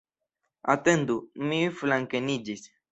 Atendu, mi flankeniĝis.